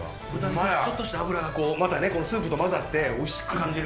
ちょっとした脂が、またね、スープと混ざっておいしく感じる。